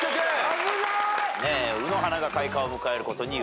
危なーい！